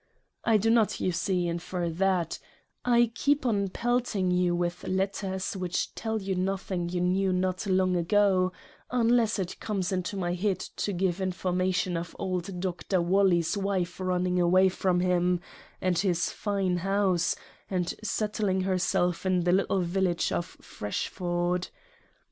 I do not, you see, infer that: I keep on pelting you with Letters which tell you nothing you knew not long ago : unless it comes into my head to give Information of Old Doctor Whalley's wife run ning away from him, and his fine House ; and settling herself in the little Village of Freshford.